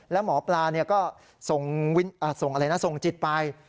แล้วหมอปลาก็ส่งจิตไป